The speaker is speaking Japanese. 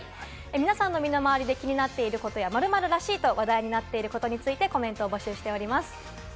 皆さんの身の回りで気になっていることや、「〇〇らしい」と話題となっていることなどについてコメントを募集しています。